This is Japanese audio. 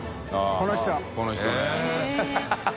この人ね。